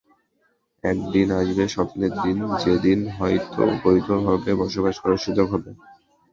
একদিন আসবে স্বপ্নের দিন যেদিন হয়তো বৈধভাবে বসবাস করার সুযোগ হবে।